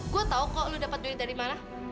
gue tau kok lu dapat duit dari mana